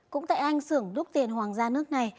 cũng tại anh sưởng đúc tiền hoàng gia nước này